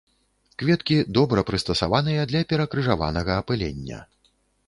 Кветкі добра прыстасаваныя для перакрыжаванага апылення.